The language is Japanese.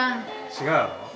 違うの？